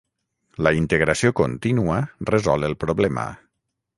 La integració contínua resol el problema.